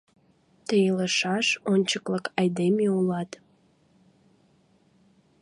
Тый илышаш, ончыклык айдеме улат.